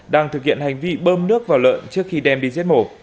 đang thực hiện hành vi bơm nước vào lợn trước khi đem đi giết mổ